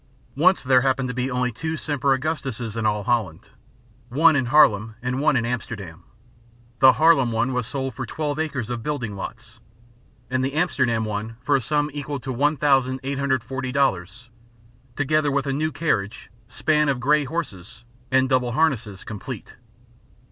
Once there happened to be only two Semper Augustuses in all Holland, one in Haarlem and one in Amsterdam. The Haarlem one was sold for twelve acres of building lots, and the Amsterdam one for a sum equal to $1,840,00, together with a new carriage, span of grey horses and double harness, complete.